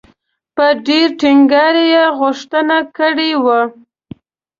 په ډېر ټینګار یې غوښتنه کړې وه.